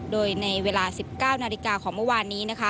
โดยในเวลา๑๙นาฬิกาของเมื่อวานนี้นะคะ